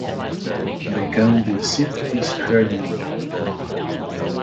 The county seat is Hermann.